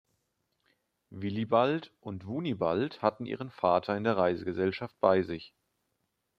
Willibald und Wunibald hatten ihren Vater in der Reisegesellschaft bei sich.